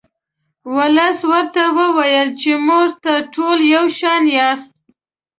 ولس ورته وویل چې موږ ته ټول یو شان یاست.